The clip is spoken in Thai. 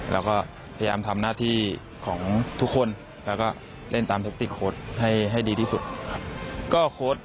เราก็พยายามทำหน้าที่ของทุกคนแล้วก็เล่นตามแทคติกโค้ดให้ดีที่สุดครับ